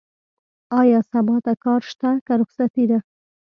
ايا سبا ته کار شته؟ که رخصتي ده؟